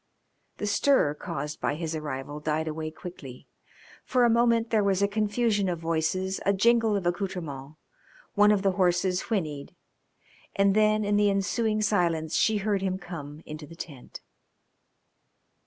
The stir caused by his arrival died away quickly. For a moment there was a confusion of voices, a jingle of accoutrements, one of the horses whinnied, and then in the ensuing silence she heard him come into the tent.